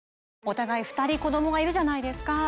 お互い２人子供がいるじゃないですか。